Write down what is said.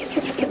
yuk yuk yuk